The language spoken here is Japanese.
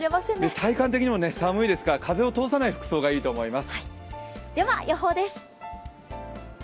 体感的にも寒いですから風を通さない服装がいいと思います。